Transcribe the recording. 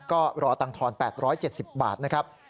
ก็รอตังทอน๘๗๐บาทนะครับ